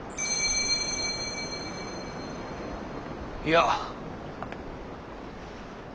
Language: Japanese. いや。